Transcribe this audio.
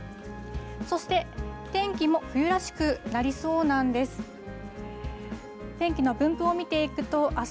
そして、天気も冬らしくなりそうなんです。